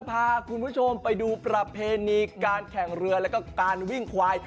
พาคุณผู้ชมไปดูประเพณีการแข่งเรือแล้วก็การวิ่งควาย